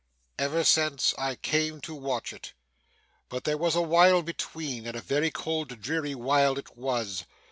'Ever since I came to watch it; but there was a while between, and a very cold dreary while it was.